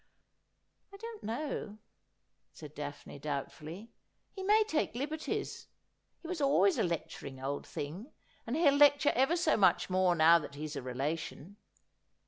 'I don't know,' said Daphne doubtfully. 'He may take liberties. He was always a lecturing old thing, and he'll lecture ever so much more now that he's a relation.'